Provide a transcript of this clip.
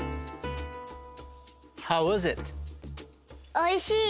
おいしい！